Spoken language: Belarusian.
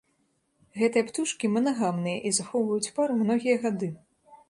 Гэтыя птушкі манагамныя і захоўваюць пару многія гады.